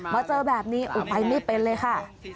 มาเจอแบบนี้ไปไม่เป็นเลยค่ะ